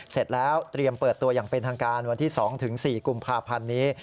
เสร็จแล้วเตรียมเปิดตัวอย่างเป็นทางการวันที่๒๔กุมภาพันธ์นี้